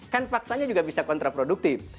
kan faktanya juga bisa kontraproduktif